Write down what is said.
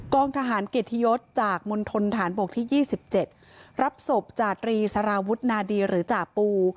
องทหารเกียรติยศจากมณฑนฐานบกที่๒๗รับศพจาตรีสารวุฒนาดีหรือจ่าปู